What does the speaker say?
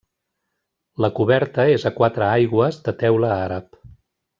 La coberta és a quatre aigües de teula àrab.